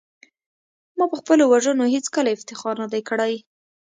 ما په خپلو وژنو هېڅکله افتخار نه دی کړی